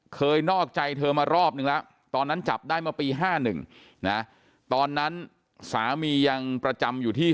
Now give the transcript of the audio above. นอกใจเธอมารอบนึงแล้วตอนนั้นจับได้เมื่อปี๕๑นะตอนนั้นสามียังประจำอยู่ที่